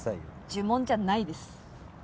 呪文じゃないです。